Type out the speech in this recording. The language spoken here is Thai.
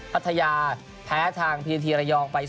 พัทยาแพ้ทางพีทีระยองไป๒